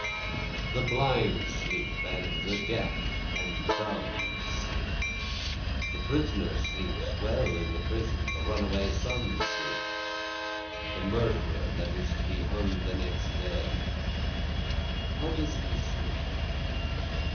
The blind sleep, and the deaf and dumb sleep, The prisoner sleeps well in the prison, the runaway son sleeps, The murderer that is to be hung next day, how does he sleep?